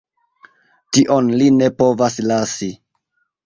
Tion li ne povas lasi!